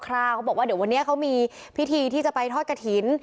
เขาบอกว่าเดี๋ยววันนี้เขามีพิธีที่จะไปทอดกระถิ่น